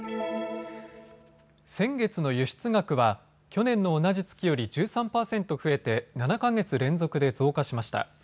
先月の輸出額は去年の同じ月より１３％増えて７か月連続で増加しました。